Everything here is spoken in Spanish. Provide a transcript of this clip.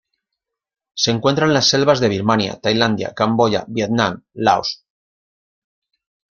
Se encuentra en las selvas de Birmania, Tailandia, Camboya, Vietnam, Laos.